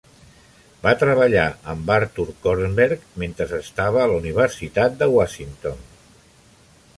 Va treballar amb Arthur Kornberg mentre estava a la Universitat de Washington.